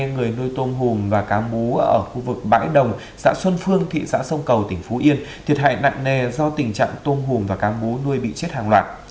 hai người nuôi tôm hùm và cá bú ở khu vực bãi đồng xã xuân phương thị xã sông cầu tỉnh phú yên thiệt hại nặng nề do tình trạng tôm hùm và cá bú nuôi bị chết hàng loạt